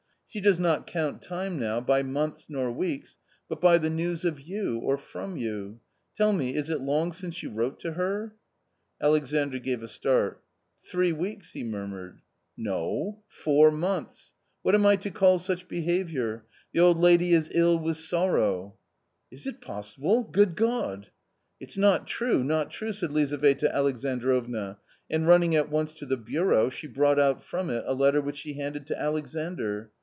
She does not count time now by months, nor weeks, but by the news of you, or from you. TV11 mg, ig it Imjgr ginrf| yr\n wrntP tO her ?" Ale xanQf gave a start. " Tfir ee w eeks/' he murmured. ""No,* Tour months ! What am I to call such behaviour? The cfa lady fc> ill Wffh sorrow." " Is it possible ? Good God !"" It's not true, not true !" said Lizaveta Alexandrovna, and running at once to the bureau she brought out from it a letter which she handed to Alexandr.